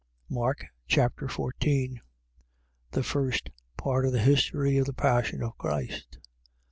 Mark Chapter 14 The first part of the history of the passion of Christ.